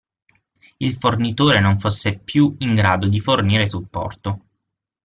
Il fornitore non fosse più in grado di fornire supporto.